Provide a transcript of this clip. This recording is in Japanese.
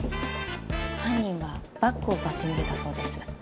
犯人はバッグを奪って逃げたそうです。